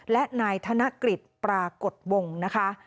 และนายธนกฤษปรากฏวงนะคะ